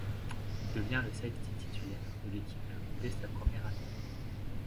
Il devient le safety titulaire de l'équipe dès sa première année.